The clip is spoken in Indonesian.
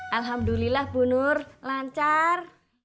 alhamdulillah bu nur lancar